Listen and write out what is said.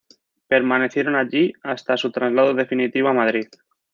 Permanecieron allí hasta su traslado definitivo a Madrid.